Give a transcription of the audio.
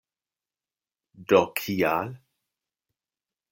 Do kial?